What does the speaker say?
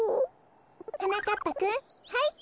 はなかっぱくんはい！